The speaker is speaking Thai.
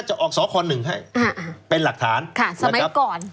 จะออกสคหนึ่งให้อ่าเป็นหลักฐานค่ะสมัยก่อน